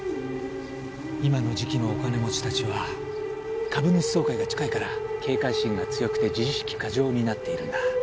今の時期のお金持ちたちは株主総会が近いから警戒心が強くて自意識過剰になっているんだ。